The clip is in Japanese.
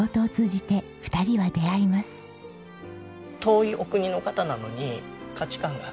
遠いお国の方なのに価値観が。